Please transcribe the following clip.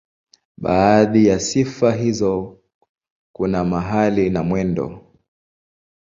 Baadhi ya sifa hizo kuna mahali na mwendo.